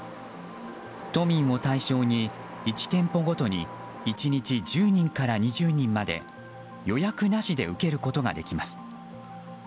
都民を対象に１店舗ごとに１日１０人から２０人まで予約なしで受けることができます。